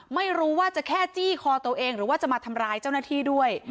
ไม่รู้ว่าจะแค่จี้คอตัวเองหรือว่าจะมาทำร้ายเจ้าหน้าที่ด้วย